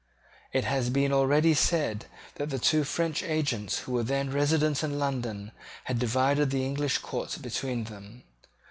It has been already said that the two French agents who were then resident in London had divided the English court between them.